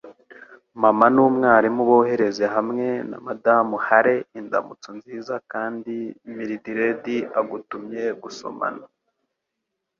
Mama n'umwarimu bohereze hamwe na Madamu Hale indamutso nziza kandi Mildred agutumye gusomana.